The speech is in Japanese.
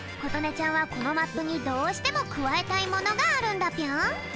ちゃんはこのマップにどうしてもくわえたいものがあるんだぴょん。